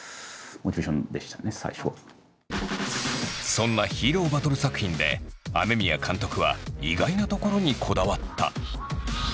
そんなヒーローバトル作品で雨宮監督は意外なところにこだわった。